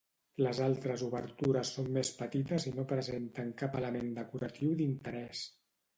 Les altres obertures són més petites i no presenten cap element decoratiu d'interès.